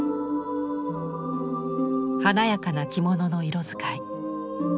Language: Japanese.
華やかな着物の色使い。